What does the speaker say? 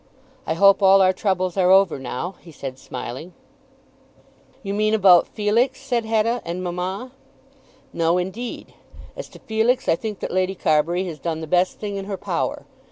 "I hope all our troubles are over now," he said smiling. "You mean about Felix," said Hetta, "and mamma?" "No, indeed. As to Felix I think that Lady Carbury has done the best thing in her power.